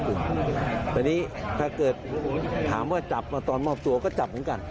แต่นี่ถ้าเกิดถามว่าจับมาตอนมอบตัวก็จับเหมือนกัน